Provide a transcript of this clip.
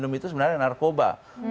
minum itu sebenarnya narkoba